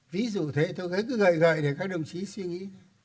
ví dụ thế tôi ấy cứ gợi gợi để các đồng chí suy nghĩ